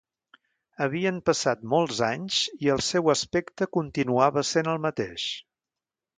Havien passat molts anys i el seu aspecte continuava sent el mateix.